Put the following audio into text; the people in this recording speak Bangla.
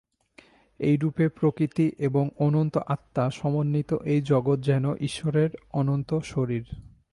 এইরূপে প্রকৃতি এবং অনন্ত-আত্মা-সমন্বিত এই জগৎ যেন ঈশ্বরের অনন্ত শরীর।